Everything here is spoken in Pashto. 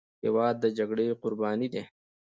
هېواد د جګړې قرباني دی.